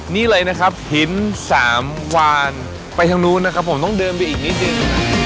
นี่เลยนะครับหินสามวานไปทางนู้นนะครับผมต้องเดินไปอีกนิดนึง